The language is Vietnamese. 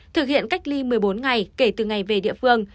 thực hiện cách ly một mươi bốn ngày kể từ ngày về địa phương